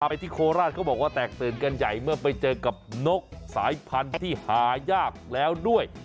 ไปที่โคราชเขาบอกว่าแตกตื่นกันใหญ่เมื่อไปเจอกับนกสายพันธุ์ที่หายากแล้วด้วย